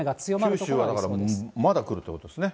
九州はだから、まだ来るということですね。